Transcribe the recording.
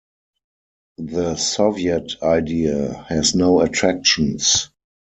The Soviet idea has no attractions.